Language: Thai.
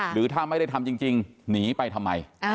หรือถ้าไม่ได้ทำจริงหนีไปทำไม